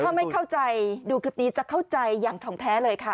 ถ้าไม่เข้าใจดูคลิปนี้จะเข้าใจอย่างทองแท้เลยค่ะ